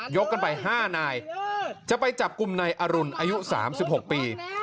กันไป๕นายจะไปจับกลุ่มนายอรุณอายุ๓๖ปี